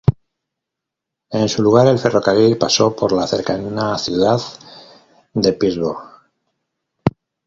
En su lugar el ferrocarril pasó por la cercana ciudad de Peterborough.